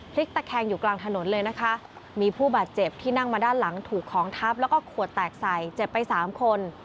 ตะแคงอยู่กลางถนนเลยนะคะมีผู้บาดเจ็บที่นั่งมาด้านหลังถูกของทับแล้วก็ขวดแตกใส่เจ็บไปสามคน